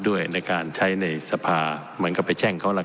ด้วยในการใช้ในสภามันก็ไปแช่งเขาหลัก